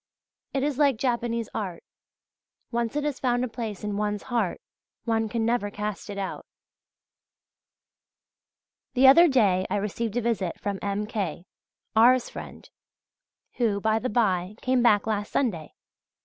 It is like Japanese art, once it has found a place in one's heart one can never cast it out.{Y} The other day I received a visit from M. K., R.'s friend, who, by the by, came back last Sunday.